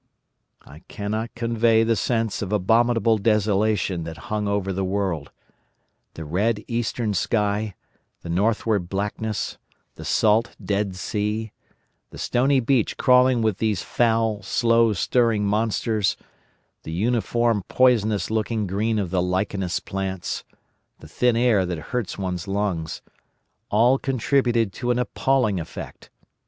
"I cannot convey the sense of abominable desolation that hung over the world. The red eastern sky, the northward blackness, the salt Dead Sea, the stony beach crawling with these foul, slow stirring monsters, the uniform poisonous looking green of the lichenous plants, the thin air that hurts one's lungs: all contributed to an appalling effect.